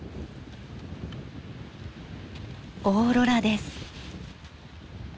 オーロラです。